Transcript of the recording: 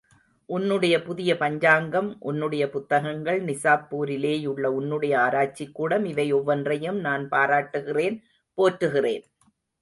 உன்னுடைய புதிய பஞ்சாங்கம், உன்னுடைய புத்தகங்கள், நிசாப்பூரிலேயுள்ள உன்னுடைய ஆராய்ச்சிக்கூடம் இவை ஒவ்வொன்றையும் நான் பாராட்டுகிறேன், போற்றுகிறேன்.